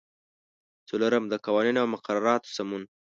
څلورم: د قوانینو او مقرراتو سمون.